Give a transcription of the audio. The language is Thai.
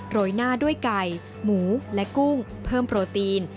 ยหน้าด้วยไก่หมูและกุ้งเพิ่มโปรตีน